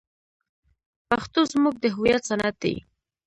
پښتو زموږ د هویت سند دی.